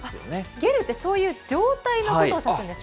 ゲルって、そういう状態のことを指すんですね。